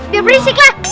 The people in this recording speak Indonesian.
biar berisik lah